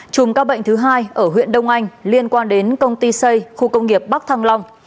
chùm các bệnh thứ hai ở huyện đông anh liên quan đến công ty xây khu công nghiệp bắc thăng long